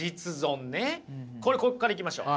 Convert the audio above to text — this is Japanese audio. これここからいきましょう。